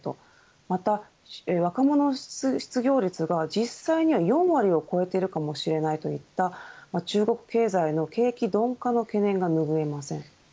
また、若者の失業率が実際には４割を超えているかもしれないといった中国経済の景気鈍化の懸念がぬぐえません。